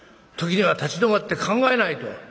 時には立ち止まって考えないと。